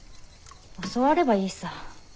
教わればいいさ。